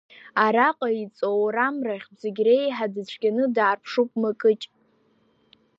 Араҟа иҵоурам рахьтә зегь реиҳа дыцәгьаны даарԥшуп Мыкыҷ.